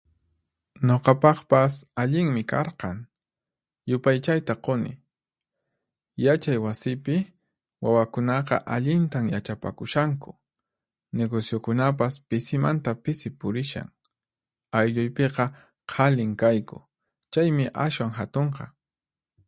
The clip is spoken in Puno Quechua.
Nuqapaqpas allinmi karqan, yupaychayta quni. Yachay wasipi wawakunaqa allintan yachapakushanku, negociokunapas pisimanta pisi purishan. Aylluypiqa qhalin kayku, chaymi ashwan hatunqa.